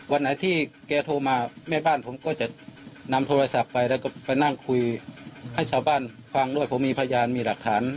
วันไหนที่แกโทรมาแม่บ้านผมก็จะนำโทรศัพท์ไปแล้วก็ไปนั่งคุยให้ชาวบ้านฟังด้วยผมมีพยานมีหลักฐาน